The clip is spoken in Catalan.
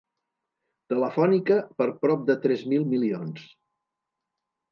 Telefònica per prop de tres mil milions.